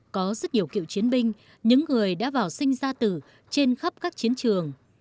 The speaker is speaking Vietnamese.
có rất nhiều cựu chiến binh những người đã vào sinh ra tử trên khắp các chiến trường